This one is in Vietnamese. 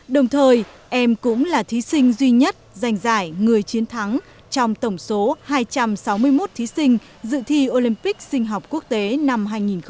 đồng thời em cũng là thí sinh duy nhất giành giải người chiến thắng trong tổng số hai trăm sáu mươi một thí sinh dự thi olympic sinh học quốc tế năm hai nghìn một mươi chín